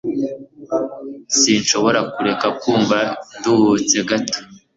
Sinshobora kureka kumva nduhutse gato.